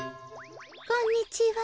こんにちは。